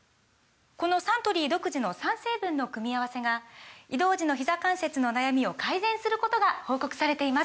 このサントリー独自の３成分の組み合わせが移動時のひざ関節の悩みを改善することが報告されています